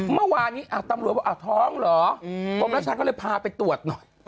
เมื่อวานนี้ตำรวจบอกท้องเหรอกรมรัชชาก็เลยพาไปตรวจหน่อย